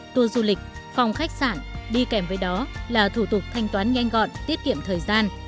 tour du lịch phòng khách sạn đi kèm với đó là thủ tục thanh toán nhanh gọn tiết kiệm thời gian